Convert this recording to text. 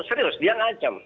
serius dia ngancem